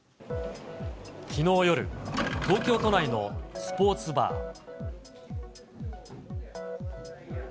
きのう夜、東京都内のスポーツバー。